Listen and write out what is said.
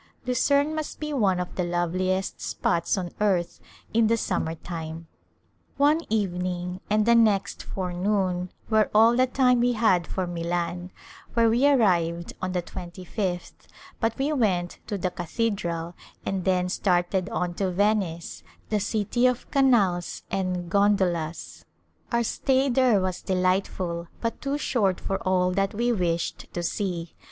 Lucerne must be one of the love liest spots on earth in the summer time. A Glimpse of India One evening and the next forenoon were all the time we had for Milan, where we arrived on the twenty fifth, but we went to the Cathedral, and then started on to Venice, the city of canals and gondolas. Our stay there was delightful, but too short for all that we wished to see.